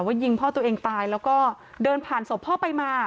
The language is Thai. ยิงพ่อตัวเองตายแล้วก็เดินผ่านศพพ่อไปมา